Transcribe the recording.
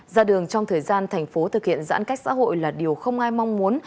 ra đường trong thời gian thành phố thực hiện giãn cách xã hội là điều không ai mong muốn